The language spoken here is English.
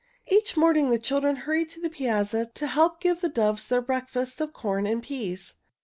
Each morning the children hurried to the piazza to help give the doves their breakfast of corn and peas.